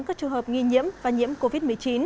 các trường hợp nghi nhiễm và nhiễm covid một mươi chín